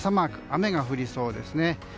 雨が降りそうですね。